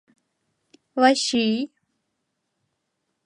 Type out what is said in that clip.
Вачий: